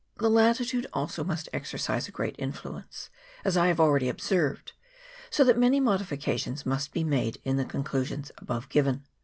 The latitude also must exercise a great influence, as I have already observed, so that many modifica tions must be made in the conclusions above given.